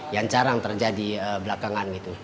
yang jarang terjadi belakangan